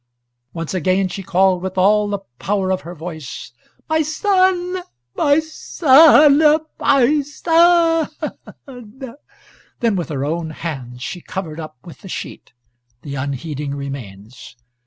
Once again she called with all the power of her voice, "My son! My son! My son!" Then with her own hands she covered up with the sheet the unheeding remains.